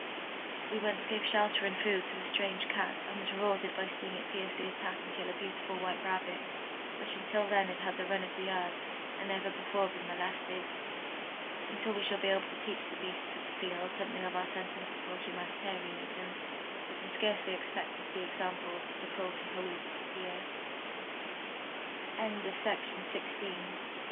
We once gave shelter and food to a strange Cat and was rewarded by seeing it fiercely attack and kill a beautiful white Rabbit which until then had had the run of the yard and never before been molested. Until we shall be able to teach the beasts of the field something of our sentimental humanitarianism we can scarcely expect to see examples of cruelty wholly disappear. [Illustration: From col. Chi.